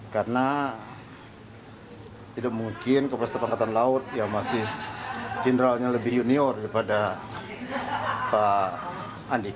karena tidak mungkin kepresiden pangkatan laut yang masih generalnya lebih junior daripada pak andika